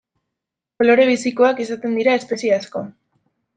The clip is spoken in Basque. Kolore bizikoak izaten dira espezie asko.